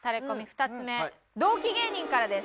２つ目同期芸人からです。